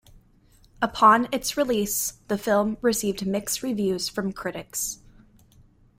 Upon its release, the film received mixed reviews from critics.